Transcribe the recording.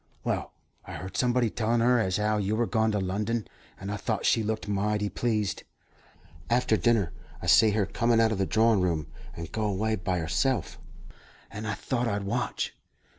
"Well, I heard somebody tellin' her as 'ow you were gone to London, and I thought she looked mighty pleased. After dinner, I see her come out of the drawin' room, and go away by herself, and I thought I'd watch.